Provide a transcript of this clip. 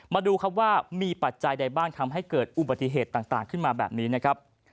มาดูครับว่ามีปัจจัยใดบ้างทำให้เกิดอุบัติเหตุต่างขึ้นมาแบบนี้นะครับ